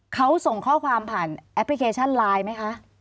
เขาส่งข้อความผ่านแอปพลิเคชันไลน์ไหมคะ